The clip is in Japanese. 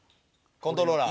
コントローラー。